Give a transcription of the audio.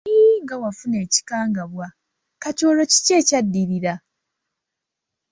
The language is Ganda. Yii nga wafuna ekikangabwa, kati olwo kiki ekyadirira?